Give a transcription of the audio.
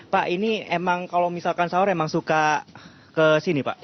pak ini emang kalau misalkan sahur emang suka ke sini pak